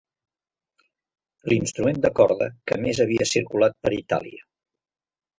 L'instrument de corda que més havia circulat per Itàlia.